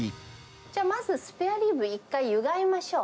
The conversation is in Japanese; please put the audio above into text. じゃあまず、スペアリブ、一回湯がきましょう。